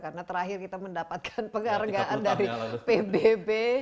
karena terakhir kita mendapatkan penghargaan dari pbb